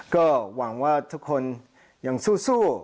ก็หวังว่าทุกคนยังสู้